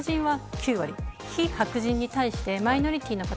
９割非白人に対してマイノリティーな方